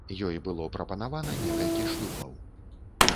Ёй было прапанавана некалькі шлюбаў.